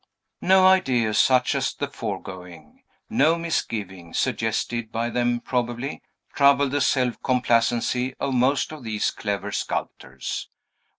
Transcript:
No ideas such as the foregoing no misgivings suggested by them probably, troubled the self complacency of most of these clever sculptors.